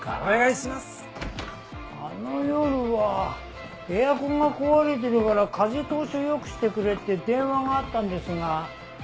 あの夜はエアコンが壊れてるから風通しを良くしてくれって電話があったんですが。